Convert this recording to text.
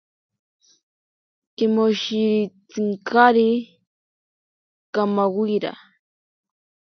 Kimoshiritsinkari kamawira.